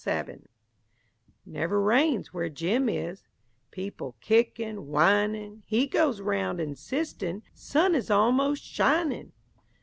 SABIN Never rains where Jim is People kickin', whinin'; He goes round insistin', "Sun is almost shinin'!"